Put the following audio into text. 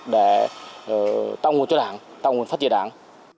để tạo nguồn cho đảng tạo nguồn phát triển đảng